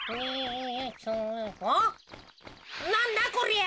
おっなんだこりゃ？